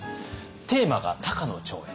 テーマが「高野長英」。